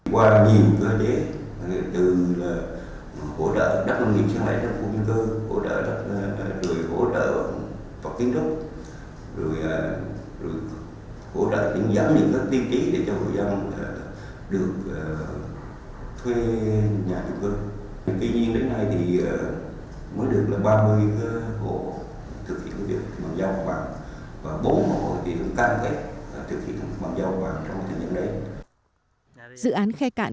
tuy nhiên đến nay thì mới được là ba mươi hộ thực hiện công việc bằng giao khoản